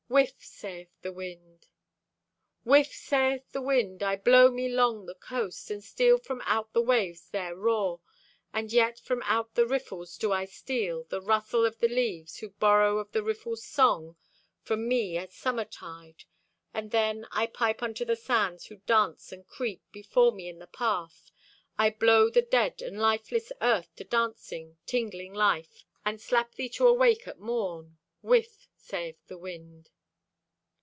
Whiff, sayeth the wind. Whiff, sayeth the wind. I blow me 'long the coast, And steal from out the waves their roar; And yet from out the riffles do I steal The rustle of the leaves, who borrow of the riffle's song From me at summer tide. And then I pipe unto the sands, who dance and creep Before me in the path. I blow the dead And lifeless earth to dancing, tingling life, And slap thee to awake at morn. Whiff, sayeth the wind.